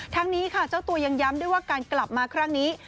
ทั้งนี้ค่ะเจ้าตัวยังย้ำด้วยว่าการกลับมาครั้งนี้